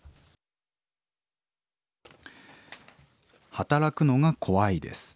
「働くのが怖いです。